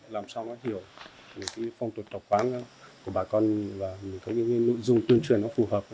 làm sao nó hiểu những phong tục tộc quán của bà con và những nội dung tuyên truyền nó phù hợp